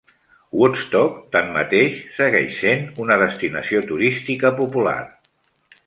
Woodstock, tanmateix, segueix sent una destinació turística popular.